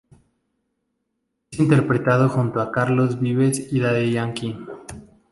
Es interpretado junto a Carlos Vives y Daddy Yankee.